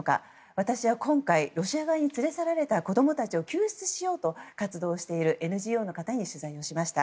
私は今回、ロシア側に連れ去られた子供たちを救出しようと活動しているＮＧＯの方に取材しました。